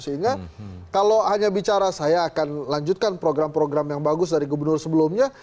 sehingga kalau hanya bicara saya akan lanjutkan program program yang bagus dari gubernur sebelumnya